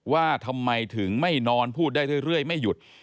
ว่าทำไมถึงไม่นอนพูดได้เรื่อยไม่หยุด